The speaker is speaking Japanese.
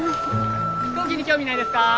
飛行機に興味ないですか？